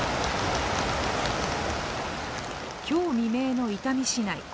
今日未明の伊丹市内。